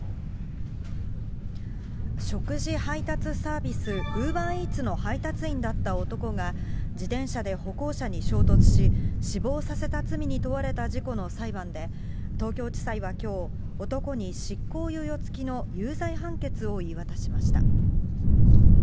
食事配達サービス、ウーバーイーツの配達員だった男が、自転車で歩行者に衝突し、死亡させた罪に問われた事故の裁判で、東京地裁はきょう、男に執行猶予付きの有罪判決を言い渡しました。